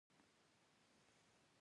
يره بدن مې دسې خوږخوږ تخنېده.